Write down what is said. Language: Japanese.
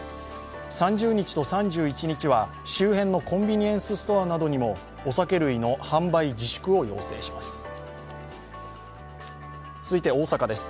３０日と３１日は周辺のコンビニエンスストアなどにもお酒類の販売自粛を要請します。